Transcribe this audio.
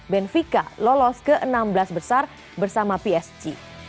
benvika lolos ke enam belas besar bersama psg